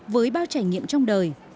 với bao trải nghiệm trong đời